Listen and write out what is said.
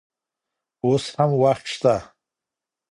اوس هم وخت شته.